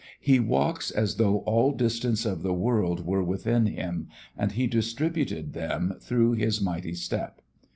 ... He walks as though all distances of the world were within him and he distributed them through his mighty step.